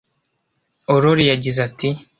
Aurore yagize ati